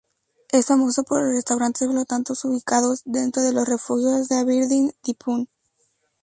Es famoso por los restaurantes flotantes ubicados dentro de los refugios de "Aberdeen Typhoon".